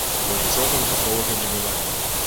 Бо нічога выпадковага не бывае.